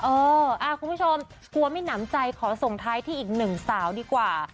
เออคุณผู้ชมกลัวไม่หนำใจขอส่งท้ายที่อีกหนึ่งสาวดีกว่า